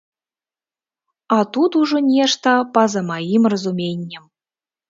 А тут ужо нешта па-за маім разуменнем.